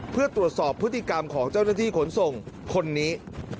เพื่อตรวจสอบพฤติกรรมของเจ้าหน้าที่ขนส่งคนนี้